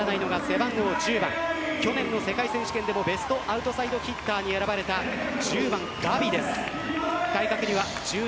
そして日本が最も警戒しなければならないのが背番号１０番去年の世界選手権でもベストアウトサイドヒッターに選ばれた１０番、ガビです。